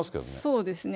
そうですね。